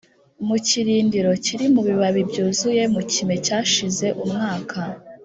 mu kirindiro kiri mu bibabi byuzuye mu kime cyashize umwaka